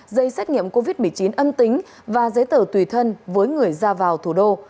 giấy xét nghiệm covid một mươi chín âm tính và giấy tờ tùy thân với người ra vào thủ đô